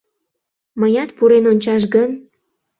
Мыят пурен ончаш гын?